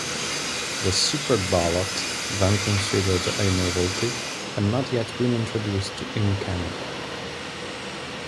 The secret ballot, then considered a novelty, had not yet been introduced in Canada.